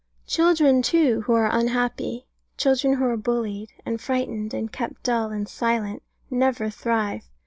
Children, too, who are unhappy; children who are bullied, and frightened, and kept dull and silent, never thrive.